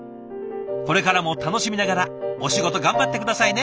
これからも楽しみながらお仕事頑張って下さいね。